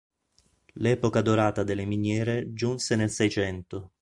L'epoca dorata delle miniere giunse nel Seicento.